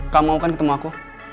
kamu kan ketemu aku